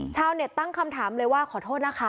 ชาวเน็ตตั้งคำถามเลยว่าขอโทษนะคะ